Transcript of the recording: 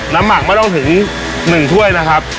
หมักไม่ต้องถึง๑ถ้วยนะครับ